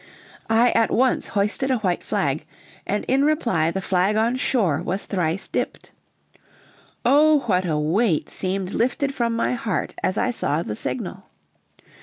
I at once hoisted a white flag, and in reply the flag on shore was thrice dipped. Oh, what a weight seemed lifted from my heart as I saw the signal!